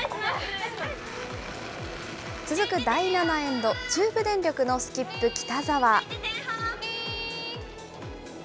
続く第７エンド、中部電力のスキップ、北澤。